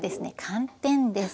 寒天です。